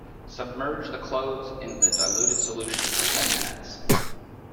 Submerge the clothes in the diluted solution for ten minutes.